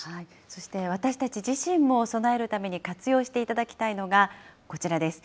そして、私たち自身も備えるために活用していただきたいのがこちらです。